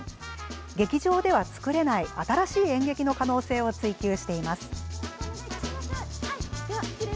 劇場ではつくれない新しい演劇の可能性を追求しています。